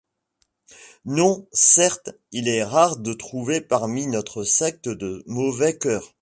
Non, certes, il est rare de trouver parmi notre secte de mauvais coeurs !